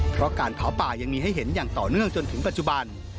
เพราะการเผาป่ายังมีให้เห็นอย่างต่อเนื่องจนถึงปัจจุบัน